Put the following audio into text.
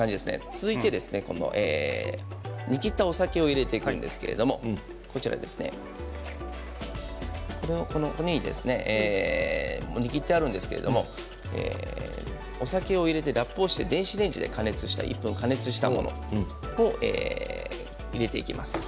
続いて、煮きったお酒を入れていくんですけれどももう煮きってあるんですけれどもお酒を入れて、ラップをして電子レンジで１分加熱したものを入れていきます。